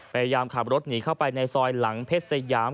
พยายามขับรถหนีเข้าไปในซอยหลังเพชรสยาม